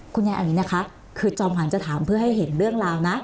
อย่างนี้นะคะคือจอมขวัญจะถามเพื่อให้เห็นเรื่องราวนะ